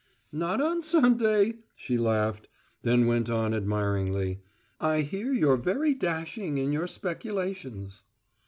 "Not on Sunday," she laughed; then went on, admiringly, "I hear you're very dashing in your speculations."